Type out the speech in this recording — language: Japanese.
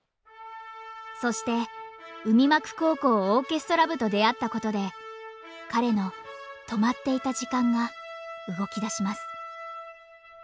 そして海幕高校オーケストラ部と出会ったことで彼の止まっていた時間が動きだします。